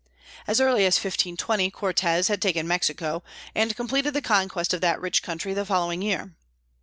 As early as 1520 Cortes had taken Mexico, and completed the conquest of that rich country the following year.